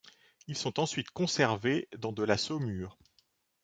Ils sont ensuite conservés dans de la saumure.